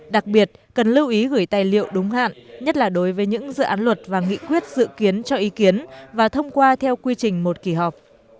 đặc biệt cần lưu ý gửi tài liệu đúng hạn nhất là đối với những dự án luật và nghị quyết dự kiến cho ý kiến và thông qua theo quy trình một kỳ họp